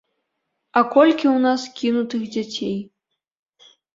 А колькі ў нас кінутых дзяцей?